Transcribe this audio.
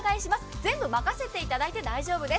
全部任せていただいて大丈夫です。